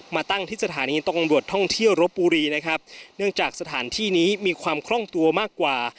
มาตั้งที่สถานีตำรวจท่องเที่ยวรบบุรีนะครับเนื่องจากสถานที่นี้มีความคล่องตัวมากกว่า